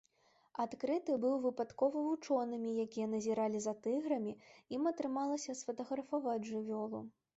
Адкрыты быў выпадкова вучонымі, якія назіралі за тыграмі, ім атрымалася сфатаграфаваць жывёлу.